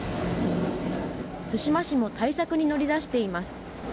対馬市も対策に乗り出しています。